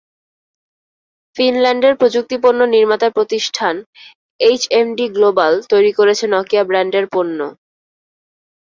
ফিনল্যান্ডের প্রযুক্তিপণ্য নির্মাতা প্রতিষ্ঠান HMD global তৈরি করছে নকিয়া ব্র্যান্ডের পণ্য।